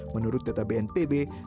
menurut data bnpb